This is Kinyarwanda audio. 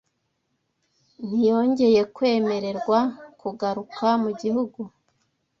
ntiyongeye kwemererwa kugaruka mu gihugu.”